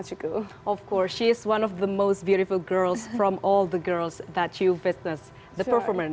tentu saja dia adalah salah satu perempuan yang paling indah dari semua perempuan yang anda perkenalkan